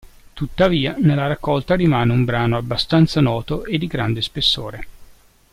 Tuttavia nella raccolta rimane un brano abbastanza noto e di grande spessore.